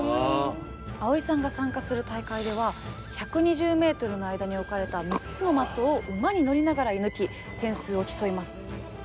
蒼依さんが参加する大会では１２０ｍの間に置かれた３つの的を馬に乗りながら射ぬき点数を競います。